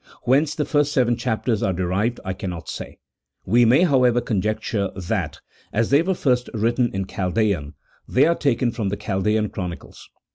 Whence the first seven chapters are derived I cannot say ; we may, however, conjecture that, as they were first written in Chaldean, they are taken from Chaldean chronicles.